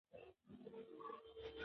اداري اصلاحات باید یوازې عملي بڼه ولري